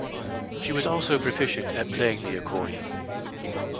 She was also proficient at playing the accordion.